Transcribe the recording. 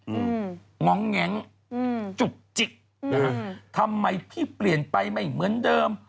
อืมง้องแง้งอืมจุกจิกนะฮะทำไมพี่เปลี่ยนไปไม่เหมือนเดิม